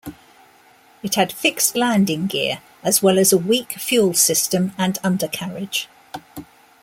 It had fixed landing gear as well as a weak fuel system and undercarriage.